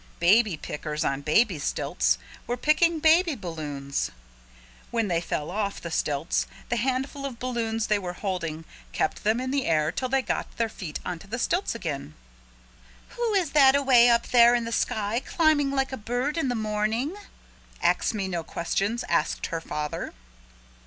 Baby pickers on baby stilts were picking baby balloons. When they fell off the stilts the handful of balloons they were holding kept them in the air till they got their feet into the stilts again. "Who is that away up there in the sky climbing like a bird in the morning?" Ax Me No Questions asked her father.